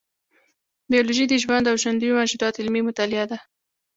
بیولوژي د ژوند او ژوندي موجوداتو علمي مطالعه ده